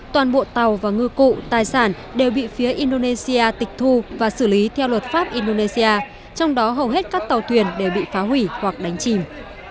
toàn bộ tàu và ngư cụ tài sản đều bị phía indonesia tịch thu và xử lý theo luật pháp indonesia trong đó hầu hết các tàu thuyền đều bị phá hủy hoặc đánh chìm